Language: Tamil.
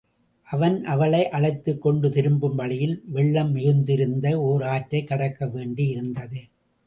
அவன் அவளை அழைத்துக் கொண்டு திரும்பும் வழியில், வெள்ளம் மிகுந்திருந்த ஓர் ஆற்றைக் கடக்க வேண்டியிருந்தது.